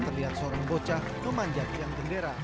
terlihat seorang bocah memanjat yang gendera